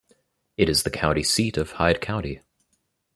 It is the county seat of Hyde County.